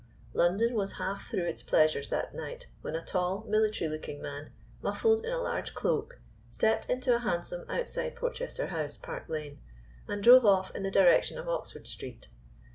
London was half through its pleasures that night, when a tall, military looking man, muffled in a large cloak, stepped into a hansom outside Porchester House, Park Lane, and drove off in the direction of Oxford Street.